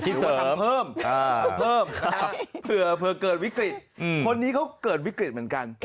ควรทำเพิ่มเพิ่มเผื่อเกิดวิกฤตคนนี้เขาเกิดวิกฤตเหมือนกัน